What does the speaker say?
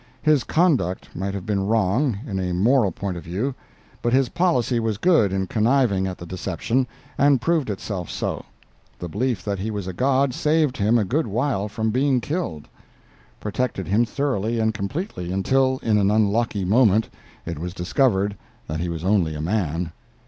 His conduct might have been wrong, in a moral point of view, but his policy was good in conniving at the deception, and proved itself so; the belief that he was a god saved him a good while from being killed—protected him thoroughly and completely, until, in an unlucky moment, it was discovered that he was only a man.